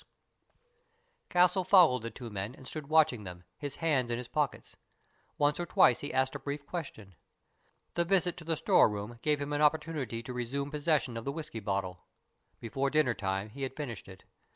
BURDON'S TOMB 103 Castle followed the two men and stood watch ing them, his hands in his pockets. Once or twice he asked a brief question. The visit to the store room gave him an opportunity to resume posses sion of the whisky bottle. Before dinner time he had finished it.